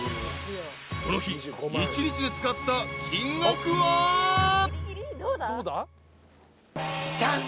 ［この日一日で使った金額は］じゃん。